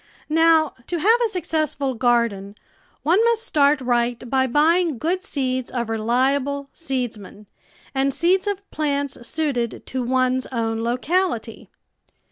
Now, to have a successful garden one must start right by buying good seeds of reliable seedsmen and seeds of plants suited to one's own locality.